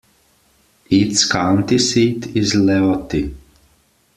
Its county seat is Leoti.